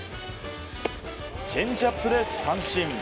チェンジアップで三振。